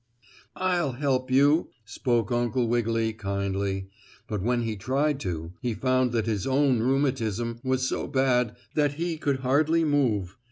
"I'll help you," spoke Uncle Wiggily, kindly, but when he tried to, he found that his own rheumatism was so bad that he could hardly move.